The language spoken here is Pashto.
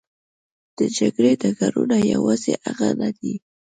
د جګړې ډګرونه یوازې هغه نه دي.